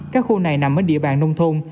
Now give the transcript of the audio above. các khu này nằm ở địa bàn nông thôn